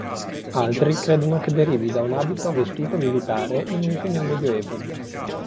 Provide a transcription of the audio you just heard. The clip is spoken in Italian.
Altri credono che derivi da un abito o vestito militare in uso nel Medioevo.